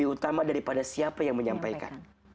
lebih utama daripada siapa yang menyampaikan